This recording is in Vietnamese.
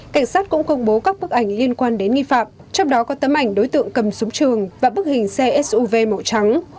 cảnh sát cũng công bố các bức ảnh liên quan đến nghi phạm trong đó có tấm ảnh đối tượng cầm súng trường và bức hình xe suv màu trắng